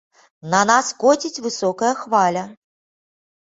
На нас коціць высокая хваля.